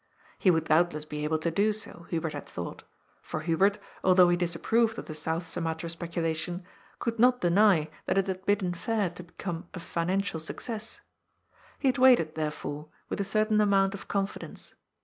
He would doubtless be able to do so, Hubert had thought, for Hubert, although he disapproved of the South Sumatra speculation, could not deny that it had bidden fair to be come a financial success. He had waited, therefore, with a certain amount of confidence.